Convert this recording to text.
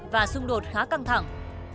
và xung đột khá căng thẳng